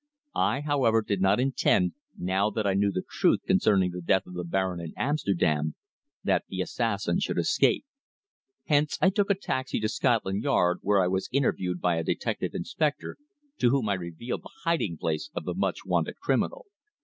I, however, did not intend, now that I knew the truth concerning the death of the Baron in Amsterdam, that the assassin should escape. Hence I took a taxi to Scotland Yard where I was interviewed by a detective inspector to whom I revealed the hiding place of the much wanted criminal.